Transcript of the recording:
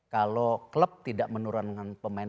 kalau klub tidak menurun dengan pemain dua tiga